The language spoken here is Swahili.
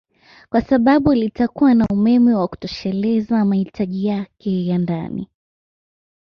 kwa sababu litakuwa na umeme wa kutosheleza mahitaji yake ya ndani